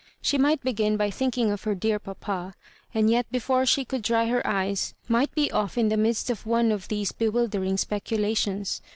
She might begin by think ing of her dear papa, and yet before she could dry her eyes might be off in the midst of one of these bewildering speculations.